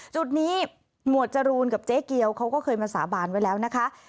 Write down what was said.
จุดนี้หมวดจรูนกับเจ๊เกียวเขาก็เคยมาสาบานไว้แล้วนะคะ